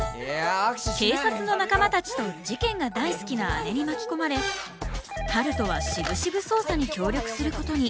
警察の仲間たちと事件が大好きな姉に巻き込まれ春風はしぶしぶ捜査に協力することに。